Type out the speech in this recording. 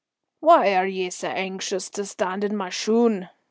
"Why are ye sae anxious to stand in my shoon?"